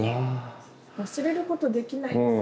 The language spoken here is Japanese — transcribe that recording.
忘れることできないですよね。